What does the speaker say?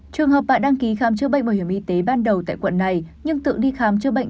trường hợp bạn đăng ký khám chữa bệnh bảo hiểm y tế ban đầu tại quận này nhưng tự đi khám chữa bệnh